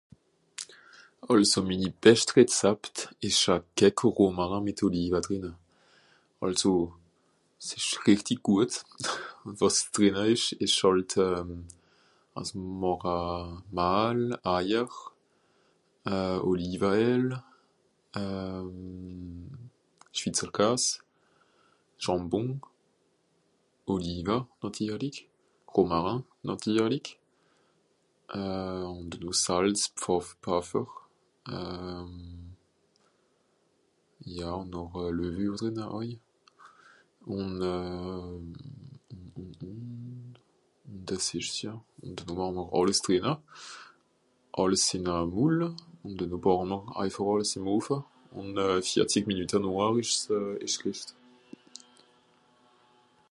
Àlso minni bescht Rezapt ìsch a Cake au Romarin mìt Oliva drìnne. Àlso... s'ìsch rìchti gùat, wàs drinna ìsch, ìsch hàlt, wàs màcha... Mahl, Eier, euh... Olivaél euh... Schwitzerkas, Schàmbùng, Oliva, nàtirlig, Romarin, nàtirlig, euh... ùn dennoh Salz, Pfàf...Pfaffer, euh... ja ùn noch euh... Levure drinna àui ùn euh... dàs ìsch's ja. Ùn noh màche mr àlles drìnna, àlles ìn a Moule ùn dennoh bàche mr eifàch àlles ìm Offa, ùn euh... vìerzisch Minüte nochhar ìsch's euh... ìsch's gerìscht.